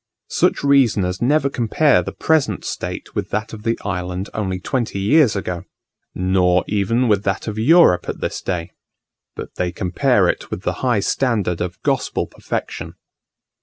Such reasoners never compare the present state with that of the island only twenty years ago; nor even with that of Europe at this day; but they compare it with the high standard of Gospel perfection.